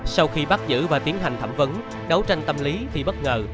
sau khi bắt giữ và tiến hành thẩm vấn đấu tranh tâm lý thì bất ngờ